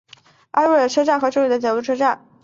海部车站与阿佐海岸铁道共用的铁路车站。